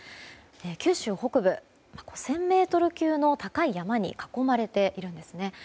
九州北部、１０００ｍ級の高い山に囲まれているんですね。